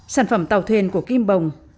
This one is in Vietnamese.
sản phẩm tàu thuyền của kim bồng